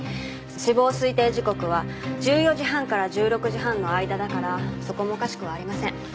死亡推定時刻は１４時半から１６時半の間だからそこもおかしくはありません。